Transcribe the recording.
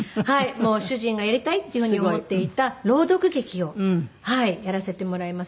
もう主人がやりたいっていう風に思っていた朗読劇をはいやらせてもらいます。